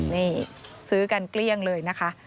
นี่ซื้อกันเกลี้ยงเลยนะคะ